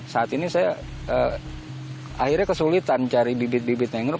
saat ini saya akhirnya kesulitan cari bibit bibit mangrove